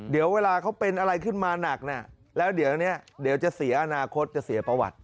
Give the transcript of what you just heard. เดี๋ยวเวลาเขาเป็นอะไรขึ้นมาหนักเนี่ยแล้วเดี๋ยวจะเสียอนาคตจะเสียประวัติ